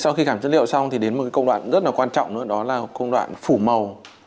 sau khi làm chất liệu xong thì đến một công đoạn rất là quan trọng nữa đó là công đoạn phủ màu